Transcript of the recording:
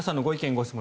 ・ご質問